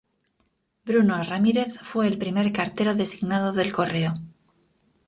Bruno Ramírez fue el primer cartero designado del correo.